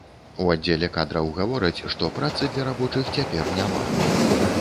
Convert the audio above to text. У аддзеле кадраў гавораць, што працы для рабочых цяпер няма.